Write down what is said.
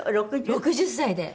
６０歳で。